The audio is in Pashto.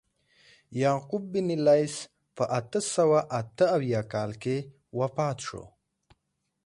یعقوب بن لیث په اته سوه اته اویا کال کې وفات شو.